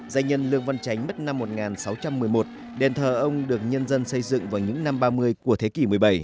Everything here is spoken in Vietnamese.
danh nhân văn tránh mất năm một nghìn sáu trăm một mươi một đền thờ ông được nhân dân xây dựng vào những năm ba mươi của thế kỷ một mươi bảy